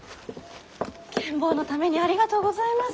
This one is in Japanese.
ケン坊のためにありがとうございます。